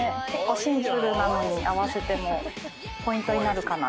シンプルなのに合わせてもポイントになるかな。